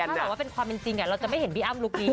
ถ้าเกิดว่าเป็นความเป็นจริงเราจะไม่เห็นพี่อ้ำลุคนี้